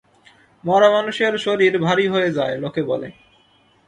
মরা মানুষের শরীর ভারি হয়ে যায়, লোকে বলে!